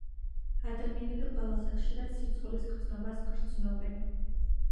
ადამიანები ყველაზე ხშირად სირცხვილის გრძნობას გრძნობენ